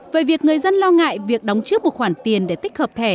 về việc người dân lo ngại việc đóng trước một khoản tiền để tích hợp thẻ